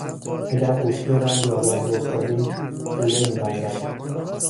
اگر قوطی رنگ را باز بگذاری رویه میبندد.